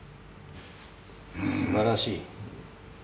すばらしい。